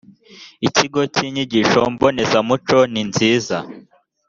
ikigo cy inyigisho mbonezamuco ninziza